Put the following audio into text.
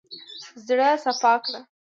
زړه سپا کړه.